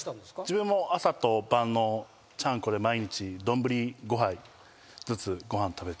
自分も朝と晩のちゃんこで毎日丼５杯ずつご飯食べて。